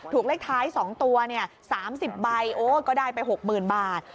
ถูกเลขท้ายสองตัวเนี่ยสามสิบใบโอ้ก็ได้ไปหกหมื่นบาท